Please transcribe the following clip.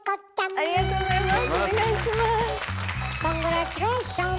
ありがとうございます。